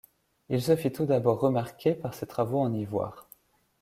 Il se fit tout d’abord remarquer par ses travaux en ivoire.